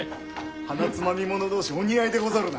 鼻つまみ者同士お似合いでござるな。